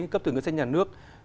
cấp từ ngân sách nhà nước